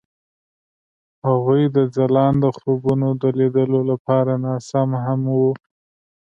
هغوی د ځلانده خوبونو د لیدلو لپاره ناست هم وو.